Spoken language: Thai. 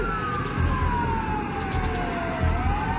รอยหลง